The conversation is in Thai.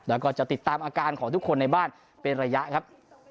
แล้วก็จะติดตามอาการของทุกคนในบ้านเป็นระยะครับ